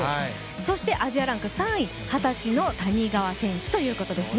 そして、アジアランク３位二十歳の谷川選手ですね。